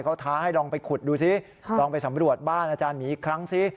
เขาท้าให้ลองไปขุดดูสิลองไปสำรวจบ้านอาจารย์หมีอีกครั้งสิ